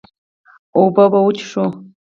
او اوبۀ به وڅښو ـ